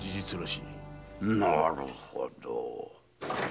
なるほど。